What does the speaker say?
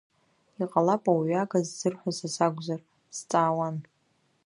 Иҟалап ауаҩага ззырҳәо са сакәзар, сҵаауан.